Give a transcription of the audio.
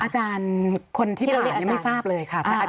อาจารย์คนที่อ่านยังไม่ทราบเลยค่ะ